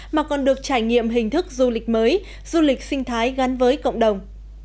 mà còn được trải nghiệm hình thức du lịch mới du lịch sinh thái gắn với cộng đồng